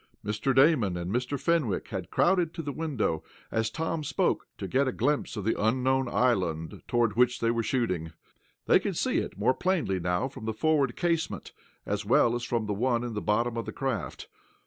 Mr. Damon and Mr. Fenwick had crowded to the window, as Tom spoke, to get a glimpse of the unknown island toward which they were shooting. They could see it more plainly now, from the forward casement, as well as from the one in the bottom of the craft.